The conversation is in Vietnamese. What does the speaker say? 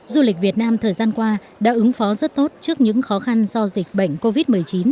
du lịch việt nam thời gian qua đã ứng phó rất tốt trước những khó khăn do dịch bệnh covid một mươi chín